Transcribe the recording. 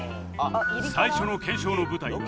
最初の検証の舞台は